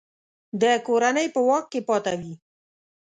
د کورنۍ په واک کې پاته وي.